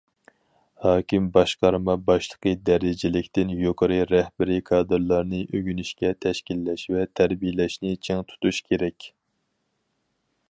ھاكىم، باشقارما باشلىقى دەرىجىلىكتىن يۇقىرى رەھبىرىي كادىرلارنى ئۆگىنىشكە تەشكىللەش ۋە تەربىيەلەشنى چىڭ تۇتۇش كېرەك.